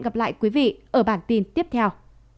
hẹn gặp lại quý vị ở bản tin tiếp theo